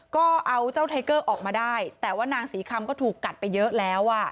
ก็เอาเจ้าไทเกอร์ออกมาได้แต่ว่านางศรีคำก็ถูกกัดไปเยอะแล้วอ่ะ